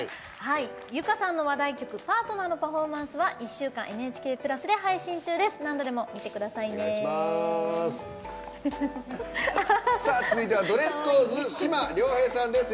有華さんの話題曲「Ｐａｒｔｎｅｒ」のパフォーマンスは１週間「ＮＨＫプラス」で配信中です。